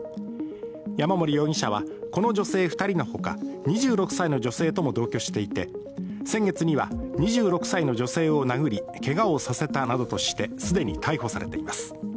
山森容疑者はこの女性２人のほか、２６歳の女性とも同居していて先月には２６歳の女性を殴りけがをさせたなどとして既に逮捕されています。